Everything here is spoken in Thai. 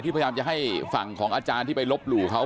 พยายามจะให้ฝั่งของอาจารย์ที่ไปลบหลู่เขา